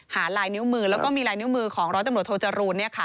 ลายนิ้วมือแล้วก็มีลายนิ้วมือของร้อยตำรวจโทจรูน